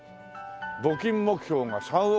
募金目標が３億円。